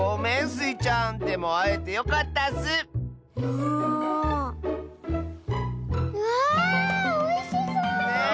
うわあおいしそう！